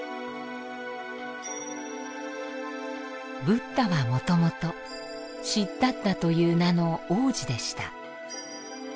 ブッダはもともとシッダッタという名の王子でした。